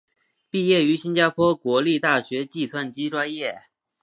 毕业于新加坡国立大学计算机专业。